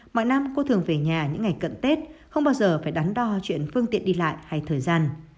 mọi năm cô thường về nhà những ngày cận tết không bao giờ phải đắn đo chuyện phương tiện đi lại hay thời gian